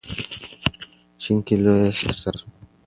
چین کې لویه څېړنه ترسره شوه.